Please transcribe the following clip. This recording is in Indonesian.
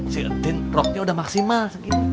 si entin rock nya udah maksimal